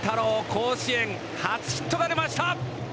甲子園初ヒットが出ました。